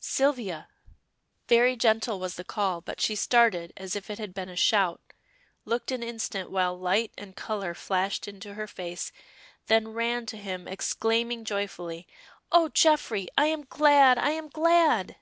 "Sylvia!" Very gentle was the call, but she started as if it had been a shout, looked an instant while light and color flashed into her face, then ran to him exclaiming joyfully "Oh, Geoffrey! I am glad! I am glad!"